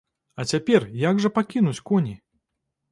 А цяпер як жа пакінуць коні?